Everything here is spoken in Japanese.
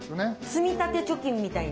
積み立て貯金みたいな？